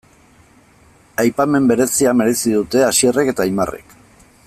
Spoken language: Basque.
Aipamen berezia merezi dute Asierrek eta Aimarrek.